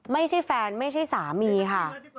ไม่ใช่แฟนไม่ใช่สามีค่ะ